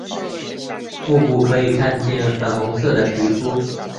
腹部可以看见粉红色的皮肤。